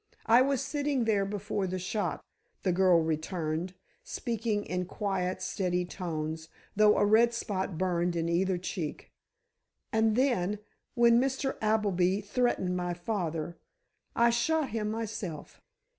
"I was sitting there before the shot," the girl returned, speaking in quiet, steady tones, though a red spot burned in either cheek. "And then, when Mr. Appleby threatened my father, I shot him myself.